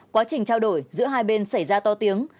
quá trình trao đổi giữa hai bên xảy ra to tiếng